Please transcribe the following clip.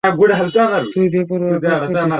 তুই বেপরোয়া কাজ করছিস।